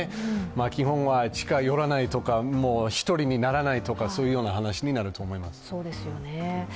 基本は近寄らないとか１人にならないとかそういうような話になると思いますう。